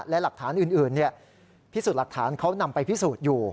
และหลักฐานอื่นพิสูจน์หลักฐานเขานำไปพิสูจน์อยู่